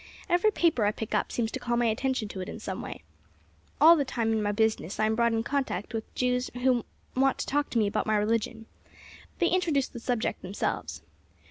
Every paper I pick up seems to call my attention to it in some way. All the time in my business I am brought in contact with Jews who want to talk to me about my religion. They introduce the subject themselves.